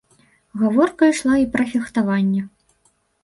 Гаворка ішла і пра фехтаванне.